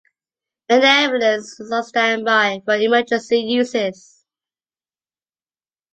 An ambulance is on stand-by for emergency uses.